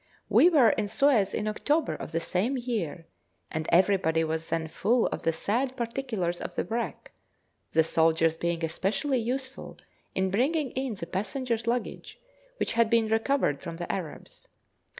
We were at Suez in October of the same year, and everybody was then full of the sad particulars of the wreck, the soldiers being especially useful in bringing in the passengers' luggage, which had been recovered from the Arabs.